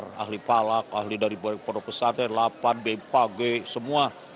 pakar ahli palak ahli dari bapak profesor delapan b empat g semua